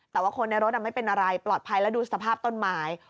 แต่ว่าคนในรถไม่เป็นอะไรปลอดภัยแล้วดูสภาพต้นไม้